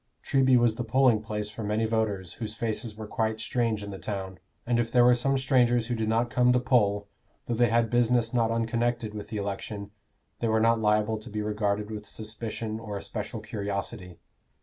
Treby was the polling place for many voters whose faces were quite strange in the town; and if there were some strangers who did not come to poll, though they had business not unconnected with the election, they were not liable to be regarded with suspicion or especial curiosity.